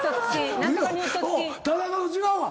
田中と違うわ。